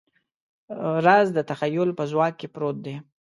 راز د تخیل په ځواک کې پروت دی.